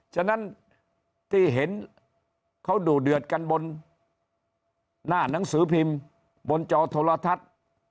ฉะนั้นที่เห็นเขาดูเดือดกันบนหน้าหนังสือพิมพ์บนจอโทรทัศน์